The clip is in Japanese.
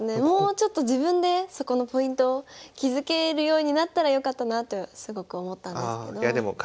もうちょっと自分でそこのポイントを気付けるようになったらよかったなってすごく思ったんですけど。